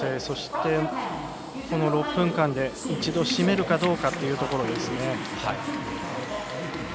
そして、この６分間で一度締めるかどうかというところですね。